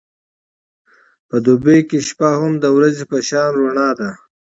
په دوبی کې شپه هم د ورځې په شان رڼا ده.